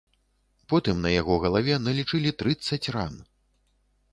Потым на яго галаве налічылі трыццаць ран.